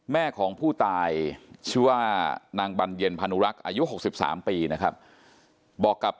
แม่ของผู้ตายชื่อว่านางบรรเย็นพานุรักษ์อายุ๖๓ปีนะครับบอกกับ